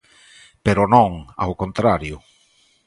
Pero non, ao contrario.